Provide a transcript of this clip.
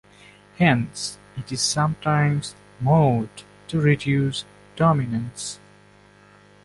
Hence, it is sometimes mowed to reduce dominance.